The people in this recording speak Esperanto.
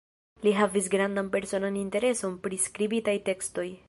Li havis grandan personan intereson pri skribitaj tekstoj.